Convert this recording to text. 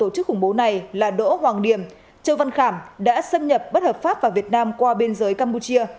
châu văn khảm đã xâm nhập bất hợp pháp vào việt nam qua bên giới campuchia